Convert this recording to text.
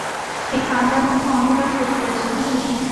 এই পান্ডার মধ্যে অন্ধকার শক্তি আছে, মেই-মেই।